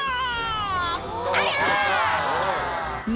ありゃ！